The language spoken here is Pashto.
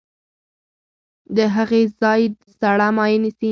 د هغې ځای سړه مایع نیسي.